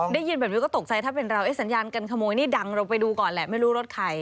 ได้ยินแบบนี้ก็ตกใจถ้าเป็นเราไอ้สัญญาการขโมยนี่ดังเราไปดูก่อนแหละไม่รู้รถใคร